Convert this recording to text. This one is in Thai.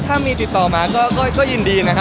อจะให้ให้กินหลานเปล่า